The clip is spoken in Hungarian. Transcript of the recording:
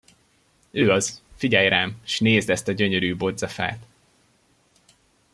Ő az, figyelj rám, s nézd ezt a gyönyörű bodzafát!